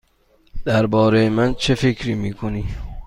درباره من چه فکر می کنی؟